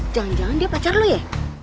jangan jangan dia pacar lu ya